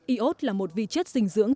iot là một vi chất dinh dưỡng